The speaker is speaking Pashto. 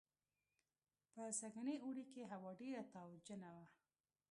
په سږني اوړي کې هوا ډېره تاوجنه وه